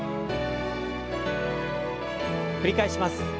繰り返します。